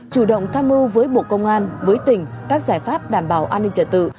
chủ động tham mưu với bộ công an với tỉnh các giải pháp đảm bảo an ninh trật tự